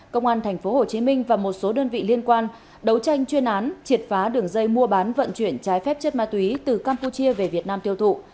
công an tp hcm và một số đơn vị liên quan đấu tranh chuyên án triệt phá đường dây mua bán vận chuyển trái phép chất ma túy từ campuchia về việt nam tiêu thụ